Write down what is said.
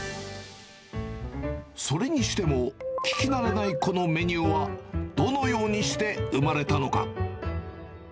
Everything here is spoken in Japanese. それにしても、聞き慣れないこのメニューは、どのようにして生まれたのか。